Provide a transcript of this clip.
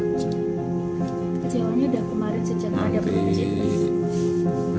kecewanya udah kemarin sejak tiga bulan